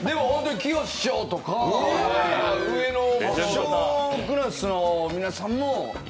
きよし師匠とか、上の師匠クラスの皆さんも。